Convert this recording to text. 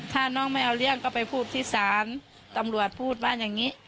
ถ้าน้องไม่เอาเรื่องก็ไปพูดที่ศาลตำรวจพูดว่าอย่างนี้